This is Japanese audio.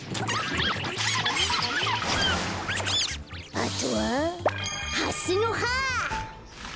あとはハスのは！